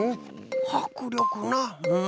はくりょくなうん。